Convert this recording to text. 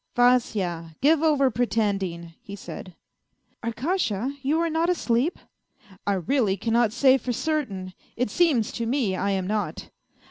" Vasya, give over pretending !" he said. " Arkasha, you are not asleep? "" I really cannot say for certain ; it seems to me I am not."